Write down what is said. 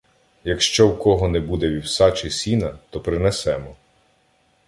Якщо в кого не буде вівса чи сіна, то принесемо.